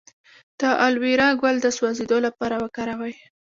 د الوویرا ګل د سوځیدو لپاره وکاروئ